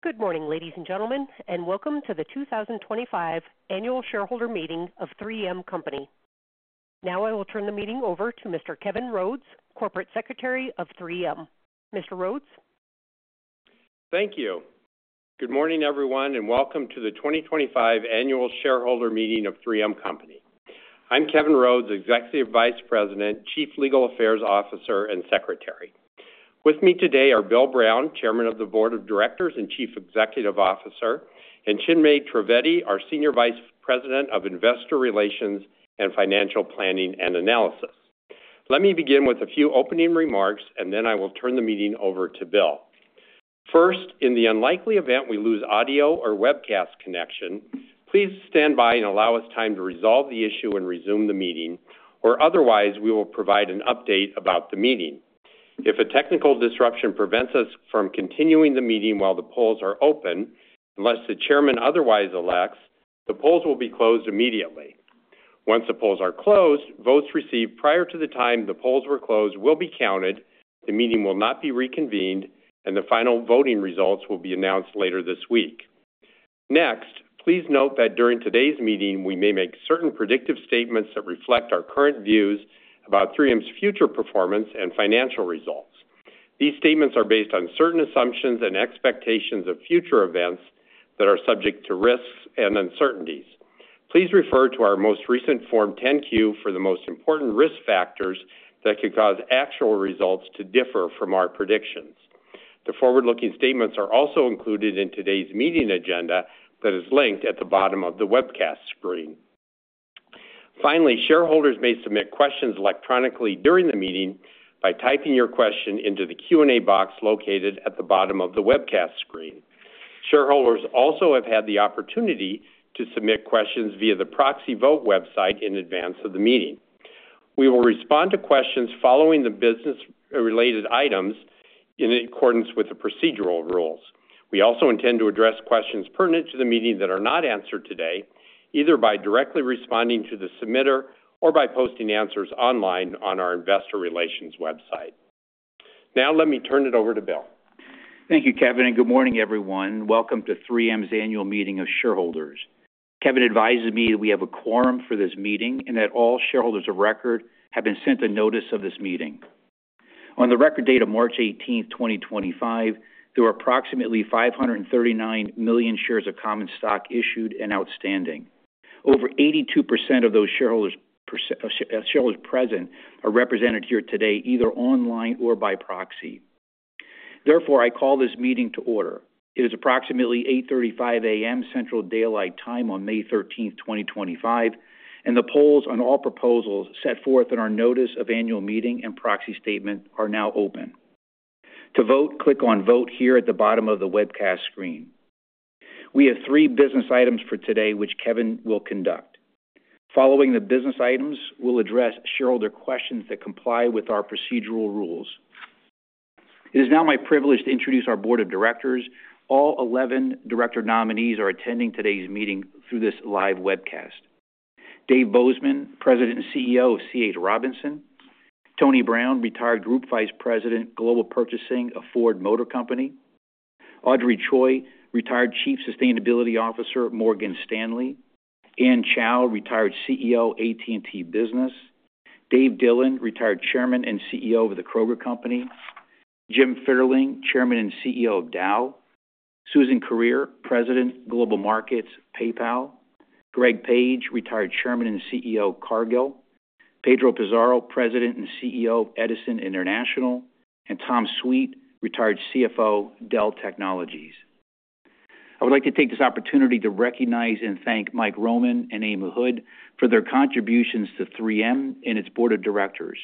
Good morning, ladies and gentlemen, and welcome to the 2025 Annual Shareholder Meeting of 3M Company. Now I will turn the meeting over to Mr. Kevin Rhodes, Corporate Secretary of 3M. Mr. Rhodes? Thank you. Good morning, everyone, and welcome to the 2025 Annual Shareholder Meeting of 3M Company. I'm Kevin Rhodes, Executive Vice President, Chief Legal Affairs Officer, and Secretary. With me today are Bill Brown, Chairman of the Board of Directors and Chief Executive Officer, and Chinmay Trivedi, our Senior Vice President of Investor Relations and Financial Planning and Analysis. Let me begin with a few opening remarks, and then I will turn the meeting over to Bill. First, in the unlikely event we lose audio or webcast connection, please stand by and allow us time to resolve the issue and resume the meeting, or otherwise we will provide an update about the meeting. If a technical disruption prevents us from continuing the meeting while the polls are open, unless the Chairman otherwise elects, the polls will be closed immediately. Once the polls are closed, votes received prior to the time the polls were closed will be counted, the meeting will not be reconvened, and the final voting results will be announced later this week. Next, please note that during today's meeting we may make certain predictive statements that reflect our current views about 3M's future performance and financial results. These statements are based on certain assumptions and expectations of future events that are subject to risks and uncertainties. Please refer to our most recent Form 10-Q for the most important risk factors that could cause actual results to differ from our predictions. The forward-looking statements are also included in today's meeting agenda that is linked at the bottom of the webcast screen. Finally, shareholders may submit questions electronically during the meeting by typing your question into the Q&A box located at the bottom of the webcast screen. Shareholders also have had the opportunity to submit questions via the proxy vote website in advance of the meeting. We will respond to questions following the business-related items in accordance with the procedural rules. We also intend to address questions pertinent to the meeting that are not answered today, either by directly responding to the submitter or by posting answers online on our Investor Relations website. Now let me turn it over to Bill. Thank you, Kevin, and good morning, everyone. Welcome to 3M's Annual Meeting of Shareholders. Kevin advises me that we have a quorum for this meeting and that all shareholders of record have been sent a notice of this meeting. On the record date of March 18, 2025, there were approximately 539 million shares of common stock issued and outstanding. Over 82% of those shareholders present are represented here today either online or by proxy. Therefore, I call this meeting to order. It is approximately 8:35 A.M. Central Daylight Time on May 13, 2025, and the polls on all proposals set forth in our Notice of Annual Meeting and Proxy Statement are now open. To vote, click on Vote here at the bottom of the webcast screen. We have three business items for today, which Kevin will conduct. Following the business items, we'll address shareholder questions that comply with our procedural rules. It is now my privilege to introduce our Board of Directors. All 11 director nominees are attending today's meeting through this live webcast: Dave Bozeman, President and CEO of C.H. Robinson; Tony Brown, retired Group Vice President, Global Purchasing of Ford Motor Company; Audrey Choi, retired Chief Sustainability Officer, Morgan Stanley; Anne Chow, retired CEO, AT&T Business; Dave Dillon, retired Chairman and CEO of the Kroger Company; Jim Fitterling, Chairman and CEO of Dow; Susan Kereere, President, Global Markets, PayPal; Gregg Page, retired Chairman and CEO, Cargill; Pedro Pizarro, President and CEO, Edison International; and Tom Sweet, retired CFO, Dell Technologies. I would like to take this opportunity to recognize and thank Mike Roman and Amy Hood for their contributions to 3M and its Board of Directors.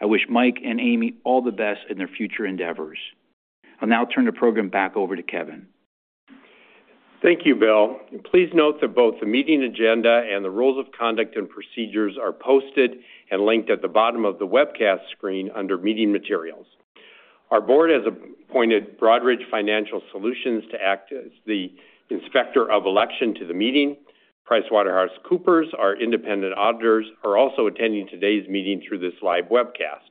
I wish Mike and Amy all the best in their future endeavors. I'll now turn the program back over to Kevin. Thank you, Bill. Please note that both the meeting agenda and the rules of conduct and procedures are posted and linked at the bottom of the webcast screen under Meeting Materials. Our Board has appointed Broadridge Financial Solutions to act as the inspector of election to the meeting. PricewaterhouseCoopers, our independent auditors, are also attending today's meeting through this live webcast.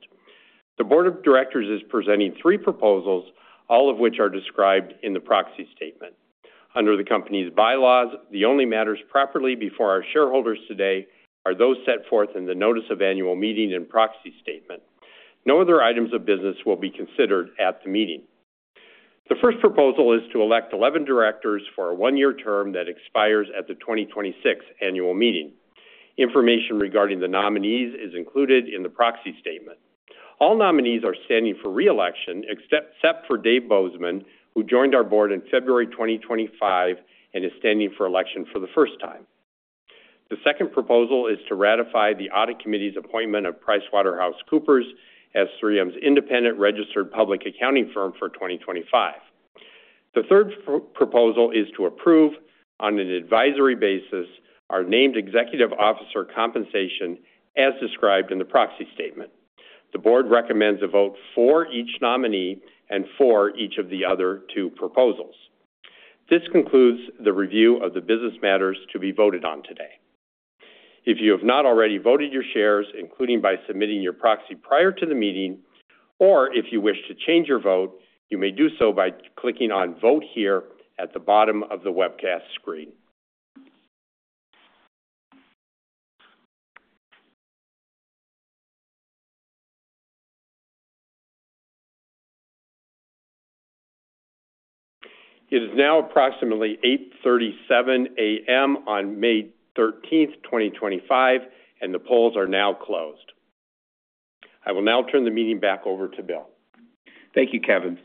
The Board of Directors is presenting three proposals, all of which are described in the proxy statement. Under the company's bylaws, the only matters properly before our shareholders today are those set forth in the Notice of Annual Meeting and Proxy Statement. No other items of business will be considered at the meeting. The first proposal is to elect 11 directors for a one-year term that expires at the 2026 Annual Meeting. Information regarding the nominees is included in the proxy statement. All nominees are standing for reelection, except for Dave Bozeman, who joined our board in February 2025 and is standing for election for the first time. The second proposal is to ratify the Audit Committee's appointment of PricewaterhouseCoopers as 3M's independent registered public accounting firm for 2025. The third proposal is to approve, on an advisory basis, our named executive officer compensation as described in the proxy statement. The board recommends a vote for each nominee and for each of the other two proposals. This concludes the review of the business matters to be voted on today. If you have not already voted your shares, including by submitting your proxy prior to the meeting, or if you wish to change your vote, you may do so by clicking on Vote here at the bottom of the webcast screen. It is now approximately 8:37 A.M. on May 13, 2025, and the polls are now closed. I will now turn the meeting back over to Bill. Thank you, Kevin.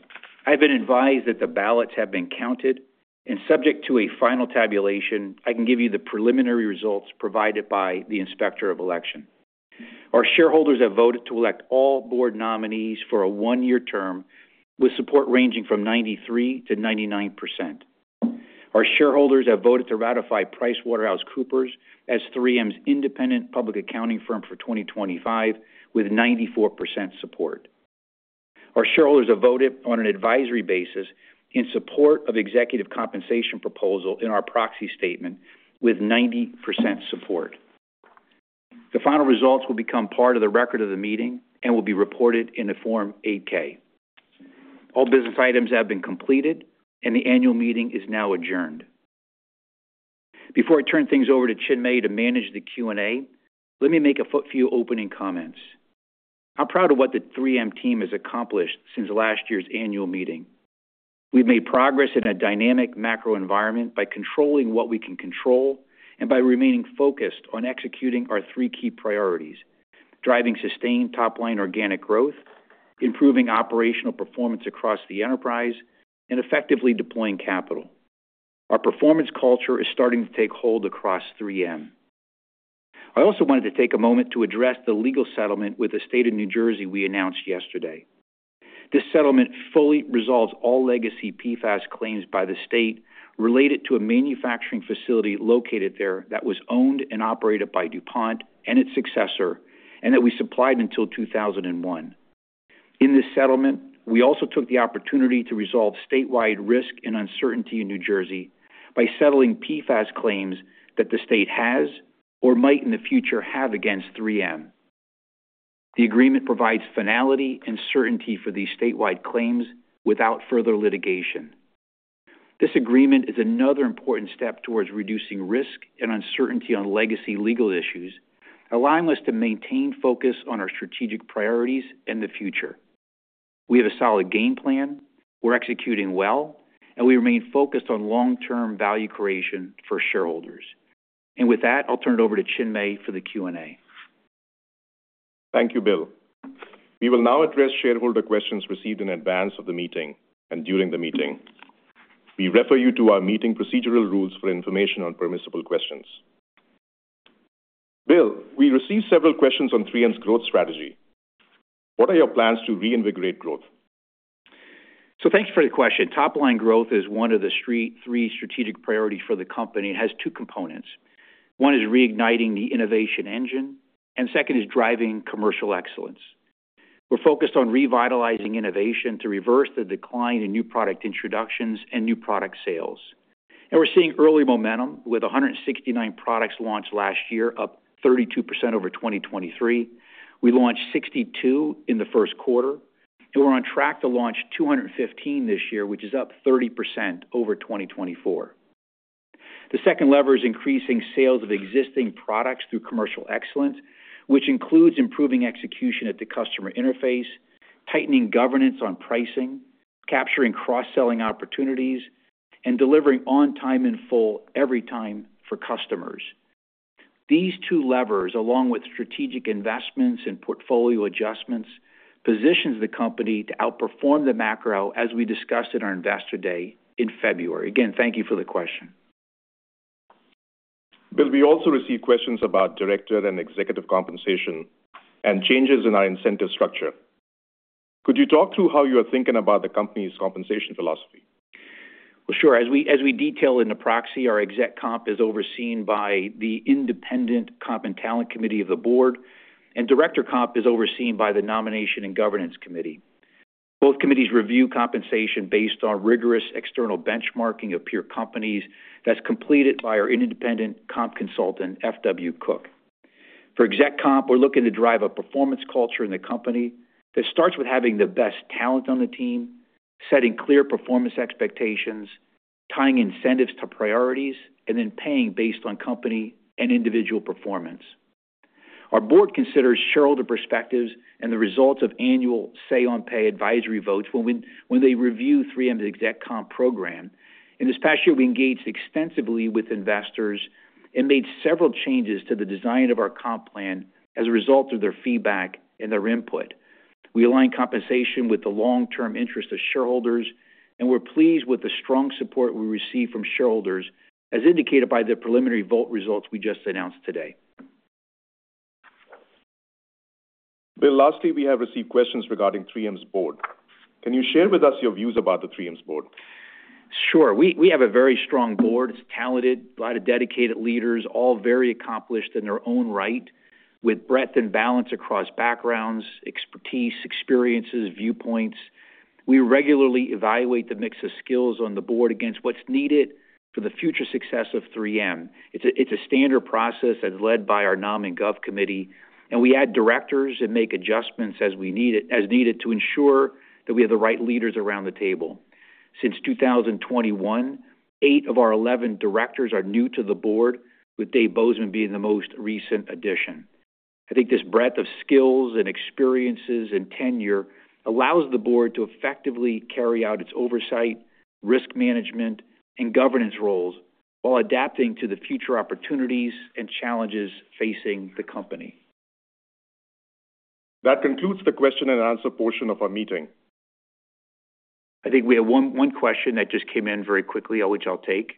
I've been advised that the ballots have been counted and, subject to a final tabulation, I can give you the preliminary results provided by the inspector of election. Our shareholders have voted to elect all Board nominees for a one-year term with support ranging from 93% to 99%. Our shareholders have voted to ratify PricewaterhouseCoopers as 3M's independent public accounting firm for 2025 with 94% support. Our shareholders have voted on an advisory basis in support of the executive compensation proposal in our proxy statement with 90% support. The final results will become part of the record of the meeting and will be reported in the Form 8-K. All business items have been completed, and the annual meeting is now adjourned. Before I turn things over to Chinmay to manage the Q&A, let me make a few opening comments. I'm proud of what the 3M team has accomplished since last year's annual meeting. We've made progress in a dynamic macro environment by controlling what we can control and by remaining focused on executing our three key priorities: driving sustained top-line organic growth, improving operational performance across the enterprise, and effectively deploying capital. Our performance culture is starting to take hold across 3M. I also wanted to take a moment to address the legal settlement with the state of New Jersey we announced yesterday. This settlement fully resolves all legacy PFAS claims by the state related to a manufacturing facility located there that was owned and operated by DuPont and its successor, and that we supplied until 2001. In this settlement, we also took the opportunity to resolve statewide risk and uncertainty in New Jersey by settling PFAS claims that the state has or might in the future have against 3M. The agreement provides finality and certainty for these statewide claims without further litigation. This agreement is another important step towards reducing risk and uncertainty on legacy legal issues, allowing us to maintain focus on our strategic priorities and the future. We have a solid game plan, we’re executing well, and we remain focused on long-term value creation for shareholders. With that, I'll turn it over to Chinmay for the Q&A. Thank you, Bill. We will now address shareholder questions received in advance of the meeting and during the meeting. We refer you to our meeting procedural rules for information on permissible questions. Bill, we received several questions on 3M's growth strategy. What are your plans to reinvigorate growth? Thank you for your question. Top-line growth is one of the three strategic priorities for the company and has two components. One is reigniting the innovation engine, and the second is driving commercial excellence. We are focused on revitalizing innovation to reverse the decline in new product introductions and new product sales. We are seeing early momentum with 169 products launched last year, up 32% over 2023. We launched 62 in the first quarter, and we are on track to launch 215 this year, which is up 30% over 2024. The second lever is increasing sales of existing products through commercial excellence, which includes improving execution at the customer interface, tightening governance on pricing, capturing cross-selling opportunities, and delivering on time and in full every time for customers. These two levers, along with strategic investments and portfolio adjustments, position the company to outperform the macro, as we discussed at our investor day in February. Again, thank you for the question. Bill, we also received questions about director and executive compensation and changes in our incentive structure. Could you talk through how you are thinking about the company's compensation philosophy? As we detailed in the proxy, our exec comp is overseen by the independent Compensation and Talent Committee of the board, and director comp is overseen by the Nomination and Governance Committee. Both committees review compensation based on rigorous external benchmarking of peer companies that's completed by our independent comp consultant, F. W. Cook. For exec comp, we're looking to drive a performance culture in the company that starts with having the best talent on the team, setting clear performance expectations, tying incentives to priorities, and then paying based on company and individual performance. Our board considers shareholder perspectives and the results of annual say-on-pay advisory votes when they review 3M's exec comp program. In this past year, we engaged extensively with investors and made several changes to the design of our comp plan as a result of their feedback and their input. We align compensation with the long-term interest of shareholders, and we're pleased with the strong support we receive from shareholders, as indicated by the preliminary vote results we just announced today. Bill, lastly, we have received questions regarding 3M's board. Can you share with us your views about 3M's board? Sure. We have a very strong board. It's talented, a lot of dedicated leaders, all very accomplished in their own right, with breadth and balance across backgrounds, expertise, experiences, viewpoints. We regularly evaluate the mix of skills on the board against what's needed for the future success of 3M. It's a standard process that's led by our nom and gov committee, and we add directors and make adjustments as needed to ensure that we have the right leaders around the table. Since 2021, eight of our 11 directors are new to the board, with Dave Bozeman being the most recent addition. I think this breadth of skills and experiences and tenure allows the board to effectively carry out its oversight, risk management, and governance roles while adapting to the future opportunities and challenges facing the company. That concludes the question and answer portion of our meeting. I think we have one question that just came in very quickly, which I'll take.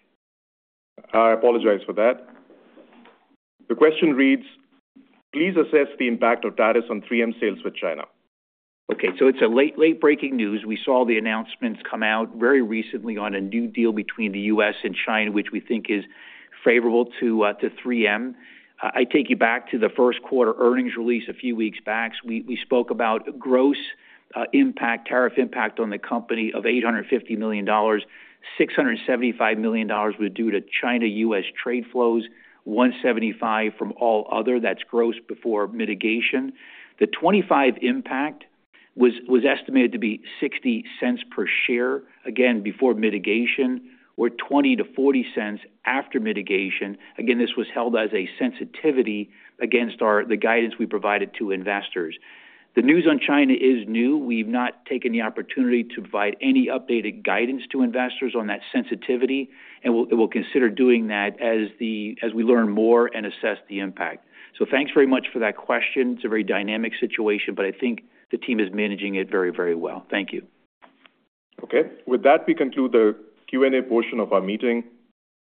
I apologize for that. The question reads, "Please assess the impact of tariffs on 3M sales with China. Okay. It's late-breaking news. We saw the announcements come out very recently on a new deal between the U.S. and China, which we think is favorable to 3M. I take you back to the first quarter earnings release a few weeks back. We spoke about gross impact, tariff impact on the company of $850 million. $675 million was due to China-U.S. trade flows, $175 million from all other. That's gross before mitigation. The 2019 impact was estimated to be $0.60 per share, again, before mitigation, or $0.20-$0.40 per share after mitigation. Again, this was held as a sensitivity against the guidance we provided to investors. The news on China is new. We've not taken the opportunity to provide any updated guidance to investors on that sensitivity, and we'll consider doing that as we learn more and assess the impact. Thanks very much for that question. It's a very dynamic situation, but I think the team is managing it very, very well. Thank you. Okay. With that, we conclude the Q&A portion of our meeting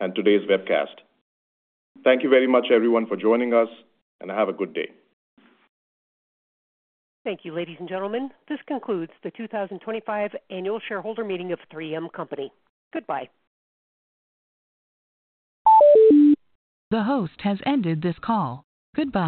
and today's webcast. Thank you very much, everyone, for joining us, and have a good day. Thank you, ladies and gentlemen. This concludes the 2025 Annual Shareholder Meeting of 3M Company. Goodbye. The host has ended this call. Goodbye.